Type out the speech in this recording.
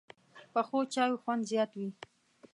پخو چایو خوند زیات وي